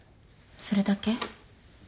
それだけ？